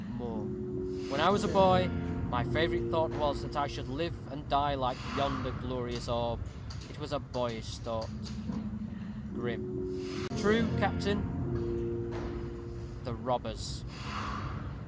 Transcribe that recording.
Moor. When I was a boy, my favorite thought was, that I should live and die like yonder glorious orb. It was a boyish thought. Grimm. True, captain. _The Robbers.